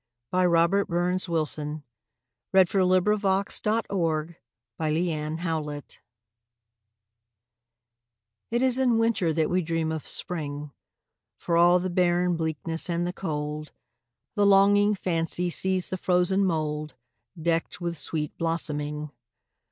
By Robert BurnsWilson 1047 It Is in Winter That We Dream of Spring IT is in Winter that we dream of Spring; For all the barren bleakness and the cold, The longing fancy sees the frozen mouldDecked with sweet blossoming.